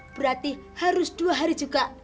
berarti harus dua hari juga